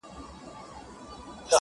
• پخوا د كلي په گودر كي جـادو؛